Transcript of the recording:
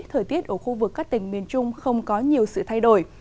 thời tiết ở khu vực các tỉnh miền trung không có nhiều sự thay đổi